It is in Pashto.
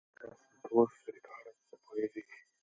ایا تاسي د تور سوري په اړه څه پوهېږئ؟